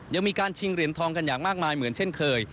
ยังมีการชิงเหรียญทองกันอย่างมากมายเหมือนเช่นเคย